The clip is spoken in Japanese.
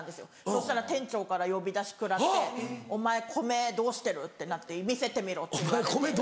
そしたら店長から呼び出し食らってお前米どうしてる？ってなって見せてみろって言われて。